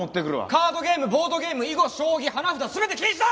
カードゲームボードゲーム囲碁将棋花札全て禁止だ！